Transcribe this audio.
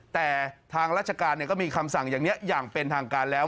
แต่ทางราชการก็มีคำสั่งอย่างนี้อย่างเป็นทางการแล้ว